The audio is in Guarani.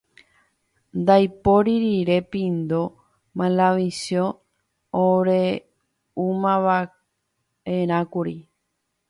Ndaipóri rire Pindo Malavisiõ ore'úmava'erãkuri.